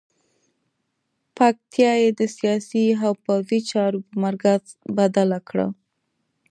پکتیا یې د سیاسي او پوځي چارو په مرکز بدله کړه.